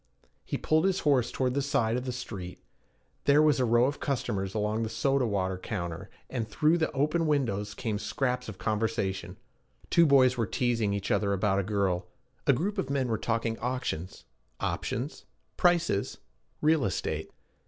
He pulled his horse toward that side of the street. There was a row of customers along the soda water counter, and through the open windows came scraps of conversation: two boys were teasing each other about a girl; a group of men were talking auctions, options, prices, real estate.